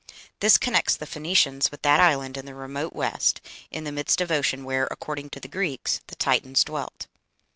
This connects the Phoenicians with that island in the remote west, in the midst of ocean, where, according to the Greeks, the Titans dwelt.